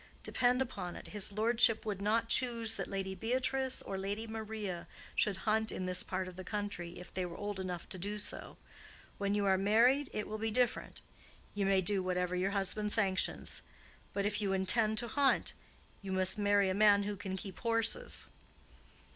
Depend upon it, his lordship would not choose that Lady Beatrice or Lady Maria should hunt in this part of the country, if they were old enough to do so. When you are married, it will be different: you may do whatever your husband sanctions. But if you intend to hunt, you must marry a man who can keep horses."